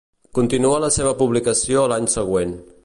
Continua la seva publicació l'any següent.